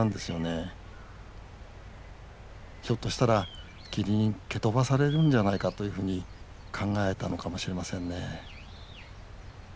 ひょっとしたらキリンに蹴飛ばされるんじゃないかというふうに考えたのかもしれませんね。